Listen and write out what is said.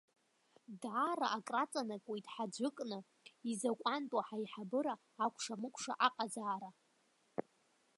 Даара акраҵанакуеит ҳаӡәыкны, изакәантәу ҳаиҳабыра акәша-мыкәша аҟазаара.